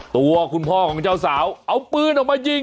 ตัวคุณพ่อของเจ้าสาวเอาปืนออกมายิง